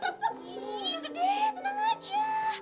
ih udah deh tenang aja